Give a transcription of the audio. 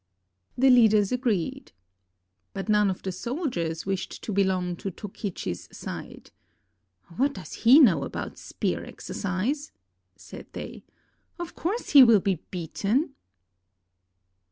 The leaders agreed. But none of the soldiers wished to belong to Tokichi's side. "What does he know about spear exercise?" said they. "Of course he will be beaten."